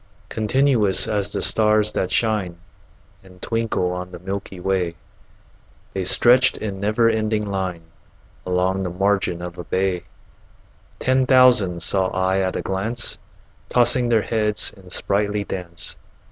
Continuous as the stars that shine And twinkle on the milky way, The stretched in never ending line Along the margin of a bay: Ten thousand saw I at a glance, Tossing their heads in sprightly dance.